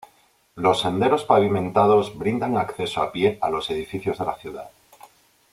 Los senderos pavimentados brindan acceso a pie a los edificios de la ciudad.